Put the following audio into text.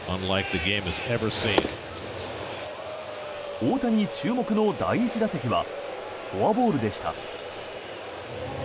大谷注目の第１打席はフォアボールでした。